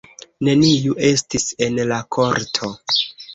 Neniu estis en la korto.